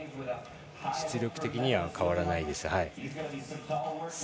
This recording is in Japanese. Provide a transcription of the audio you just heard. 実力的には変わらないです。